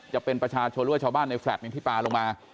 จะเป็นประชาชนรั่วชาวบ้านในแฟลต์ที่ปลาลงมา